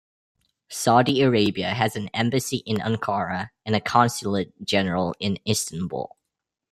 Saudi Arabia has an embassy in Ankara and a consulate-general in Istanbul.